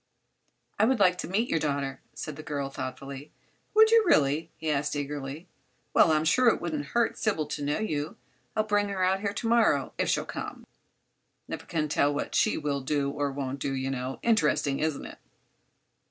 "I would like to meet your daughter," said the girl, thoughtfully. "Would you, really?" he asked, eagerly. "Well, I'm sure it wouldn't hurt Sybil to know you. I'll bring her out here to morrow, if she'll come. Never can tell what she will do or won't do, you know. Interesting, isn't it?"